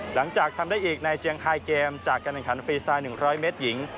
หลังจากทำได้อีกในเจียงไฮเกมจากการแข่งขันฟรีสไตล์๑๐๐เมตรหญิง